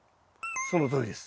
そのとおりです。